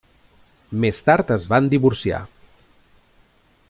Més tard es van divorciar.